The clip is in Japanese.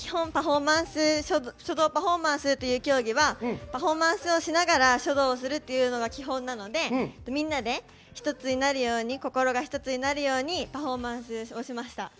基本書道パフォーマンスという競技はパフォーマンスをしながら書道をするっていうのが基本なので、みんなで心が１つになるようにパフォーマンスをしました。